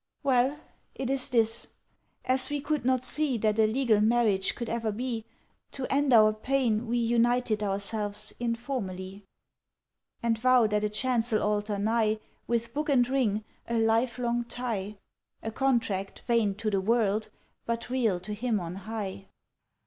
"Well, it is this. As we could not see That a legal marriage could ever be, To end our pain We united ourselves informally; "And vowed at a chancel altar nigh, With book and ring, a lifelong tie; A contract vain To the world, but real to Him on High."